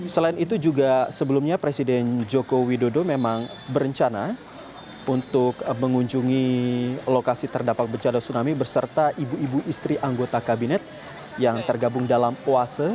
selain itu juga sebelumnya presiden joko widodo memang berencana untuk mengunjungi lokasi terdampak bencana tsunami berserta ibu ibu istri anggota kabinet yang tergabung dalam oase